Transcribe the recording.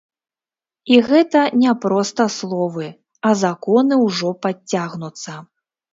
І гэта не проста словы, а законы ўжо падцягнуцца.